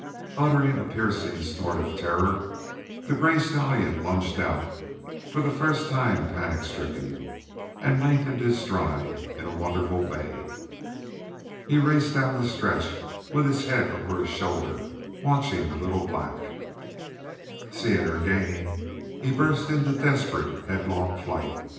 Uttering a piercing snort of terror the gray stallion lunged out, for the first time panic stricken, and lengthened his stride in a wonderful way. He raced down the stretch with his head over his shoulder watching the little black. Seeing her gaining, he burst into desperate headlong flight.